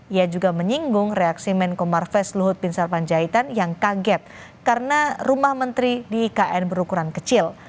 ia juga menyinggung reaksi menko marves luhut bin sarpanjaitan yang kaget karena rumah menteri di ikn berukuran kecil